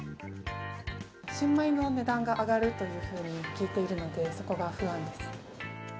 新米の値段が上がるというふうに聞いているので、そこが不安です。